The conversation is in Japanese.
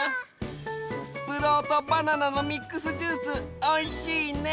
ぶどうとバナナのミックスジュースおいしいね。